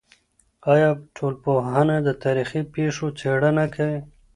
آیا ټولنپوهنه د تاریخي پېښو څېړنه کوي؟